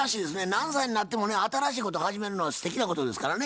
何歳になってもね新しいこと始めるのはすてきなことですからね。